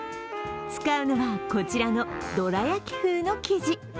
使うのはこちらのどら焼き風の生地。